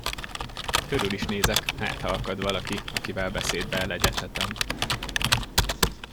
Körül is nézek, hátha akad valaki, akivel beszédbe elegyedhetem.